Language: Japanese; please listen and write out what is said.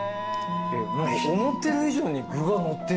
思ってる以上に具がのってる。